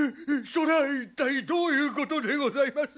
それは一体どういうことでございます？